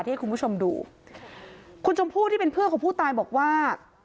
ให้คุณผู้ชมดูคุณชมพู่ที่เป็นเพื่อนของผู้ตายบอกว่า